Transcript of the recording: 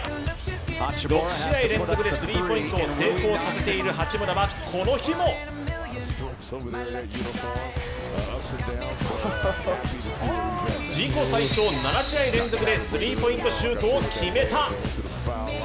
６試合連続でスリーポイントを成功させている八村はこの日も自己最長、７試合連続でスリーポイントシュートを決めた。